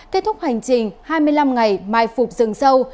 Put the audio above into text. kết thúc hành trình hai mươi năm ngày mai phục rừng sâu